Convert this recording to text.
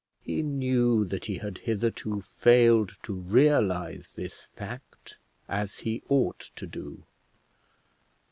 He knew that he had hitherto failed to realise this fact as he ought to do.